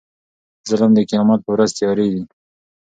ظلم د قيامت په ورځ تيارې دي